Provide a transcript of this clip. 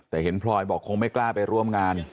แต่เห็นพลอยบอกคงไม่กล้าไปร่วมงาน